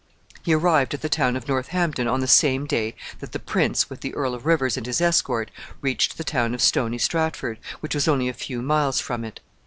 He arrived at the town of Northampton on the same day that the prince, with the Earl of Rivers and his escort, reached the town of Stony Stratford, which was only a few miles from it.